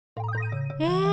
え！